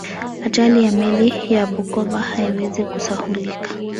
ajali ya meli ya bukoba haiwezi kusahaulika